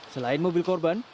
selain mobil korban